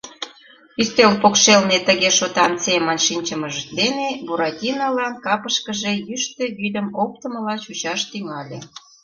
Ӱстел покшелне тыге шотан семын шинчымыж дене Буратинолан капышкыже йӱштӧ вӱдым оптымыла чучаш тӱҥале.